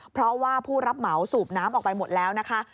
เพราะว่าผู้รับเหมาสูบน้ำออกไปหมดแล้วนะคะ